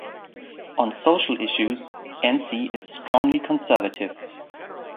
On social issues, Enzi is strongly conservative.